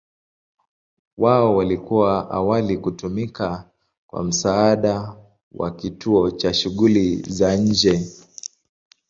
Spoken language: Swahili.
Wao walikuwa awali kutumika kwa msaada wa kituo cha shughuli za nje.